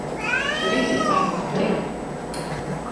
Created by Mark Taylor.